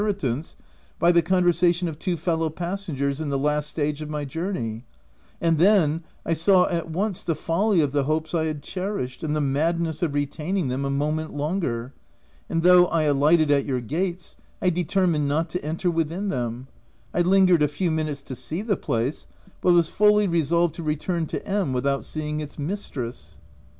323 ritance by the conversation of two fellow pas sengers in the last stage of my journey ; and then, I saw at once the folly of the hopes I had cherished and the madness of retaining them a moment longer ; and though I alighted at your gates, I determined not to enter within them ; I lingered a few minutes to see the place, but was fully resolved to return to M — without seeing its mistress."